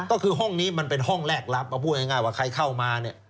ก็คือห้องนี้มันเป็นห้องแรกรับมาพูดง่ายว่าใครเข้ามาเนี่ย